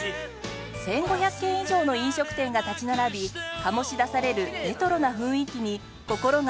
１５００軒以上の飲食店が立ち並び醸し出されるレトロな雰囲気に心が躍ります